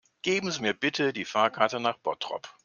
Geben Sie mir bitte die Fahrkarte nach Bottrop